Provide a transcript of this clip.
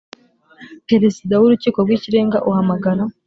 Perezida w urukiko rw ikirenga uhamagara